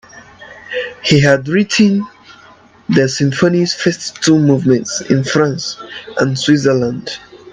He had written the symphony's first two movements in France and Switzerland.